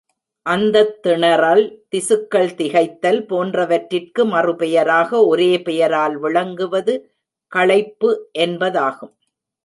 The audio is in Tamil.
அந்தத் திணறல், திசுக்கள் திகைத்தல் போன்றவற்றிற்கு மறுபெயராக ஒரே பெயரால் விளங்குவது களைப்பு என்பதாகும்.